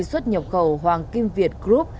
xuất nhập khẩu hoàng kim việt group